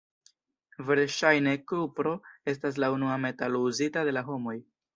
Verŝajne kupro estas la unua metalo uzita de la homoj.